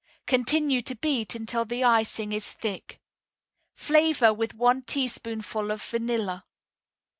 Continue to beat until the icing is thick. Flavor with one teaspoonful of vanilla.